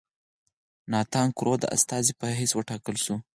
ناتان کرو د استازي په حیث وټاکل شو.